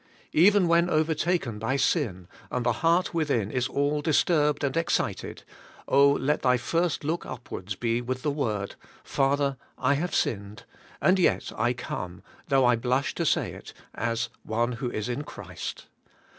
' Even when overtaken by sin, and the heart within is all disturbed and excited, let thy first look upwards be with the word: 'Father, I have sinned; and yet I come — though I blush to say it — as one who is in Christ.